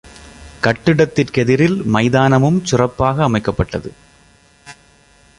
கட்டிடத்திற் கெதிரில் மைதானமும் சிறப்பாக அமைக்கப்பட்டது.